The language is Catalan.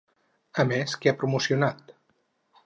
A més, què ha promocionat?